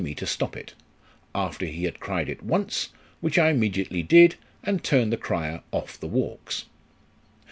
67 me to stop it, after he had cried it once, which I immediately did, and turned the crier off the walks.